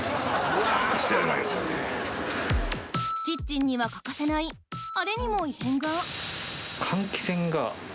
キッチンには欠かせないあれにも異変が。